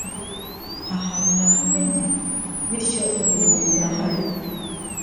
Nta hantu na hamwe njya, bityo ngiye kuguma hano.